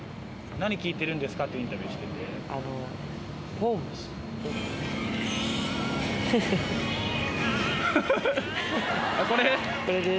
何聴いてるんですかっていうインタビューしてるんで。